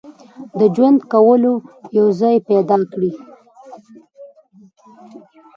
د ژوند کولو یو ځای پیدا کړي.